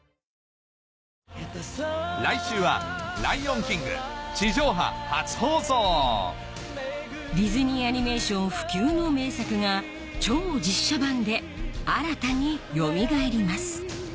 来週はディズニー・アニメーション不朽の名作が超実写版で新たによみがえります